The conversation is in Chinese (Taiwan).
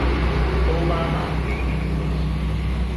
歐巴馬回憶錄